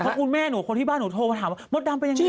เพราะคุณแม่หนูคนที่บ้านหนูโทรมาถามว่ามดดำเป็นยังไง